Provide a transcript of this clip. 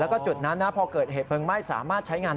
แล้วก็จุดนั้นนะพอเกิดเหตุเพลิงไหม้สามารถใช้งาน